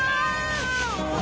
うわ！